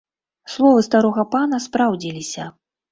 Словы старога пана спраўдзіліся.